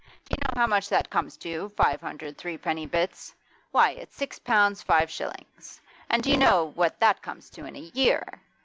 Do you know how much that comes to, five hundred threepenny bits? Why, it's six pounds five shillings. And do you know what that comes to in a year?